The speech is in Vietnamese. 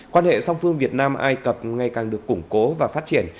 quan hệ song phương việt nam ai cập ngày càng được củng cố và phát triển